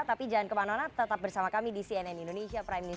tapi jangan kemana mana tetap bersama kami di cnn indonesia prime news